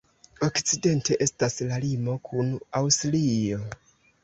Okcidente estas la limo kun Aŭstrio.